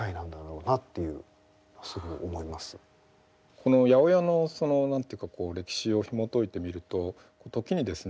この８０８のその何ていうかこう歴史をひもといてみると時にですね